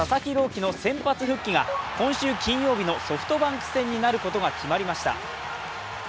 希の先発復帰が今週金曜日のソフトバンク戦になることが決まりました。